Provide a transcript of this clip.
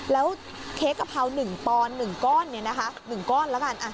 แล้วเค้กกะเพรา๑ปอน๑ก้อน๑ก้อนแล้วกัน